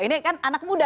ini kan anak muda